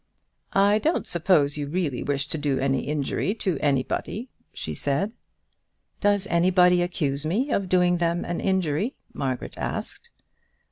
"I don't suppose you really wish to do any injury to anybody," she said. "Does anybody accuse me of doing them an injury?" Margaret asked.